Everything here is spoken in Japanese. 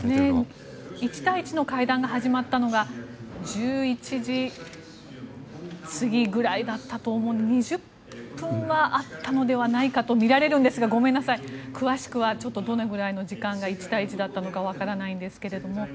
１対１の会談が始まったのが１１時過ぎぐらいだったと思うんですが２０分はあったのではないかとみられるんですがごめんなさい、詳しくはどのくらいの時間が１対１だったのかわからないんですが。